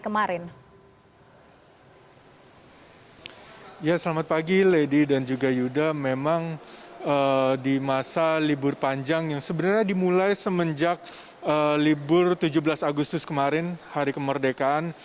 masa libur panjang yang sebenarnya dimulai semenjak libur tujuh belas agustus kemarin hari kemerdekaan